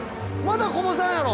まだこぼさんやろ。